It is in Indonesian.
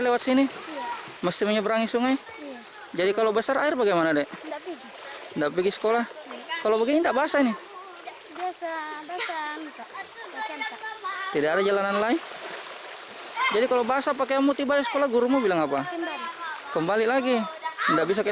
lewat sini masih menyeberangi sungai jadi kalau besar air bagaimana dek enggak pergi